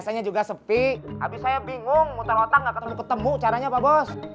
saya juga sepi habis saya bingung muter otak gak ketemu ketemu caranya pak bos